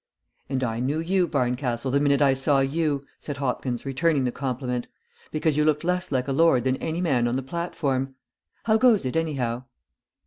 "And I knew you, Barncastle, the minute I saw you," said Hopkins, returning the compliment, "because you looked less like a lord than any man on the platform. How goes it, anyhow?"